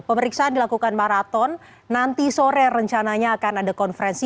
pemeriksaan dilakukan maraton nanti sore rencananya akan ada konferensi